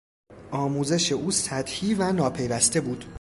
آموزش او سطحی و ناپیوسته بود.